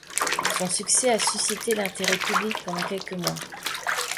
Son succès a suscité l’intérêt public pendant quelques mois.